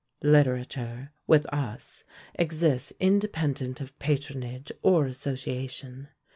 Literature, with us, exists independent of patronage or association.